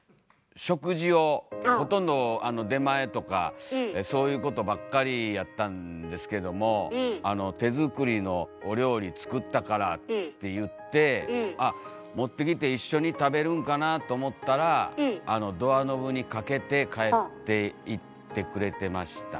食事をほとんど出前とかそういうことばっかりやったんですけども「手作りのお料理作ったから」って言って「あっ持ってきて一緒に食べるんかな」と思ったらドアノブに掛けて帰っていってくれてました。